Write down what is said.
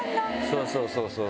そうそうそうそう！